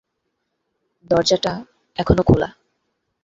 দরজাটা এখনো খোলা।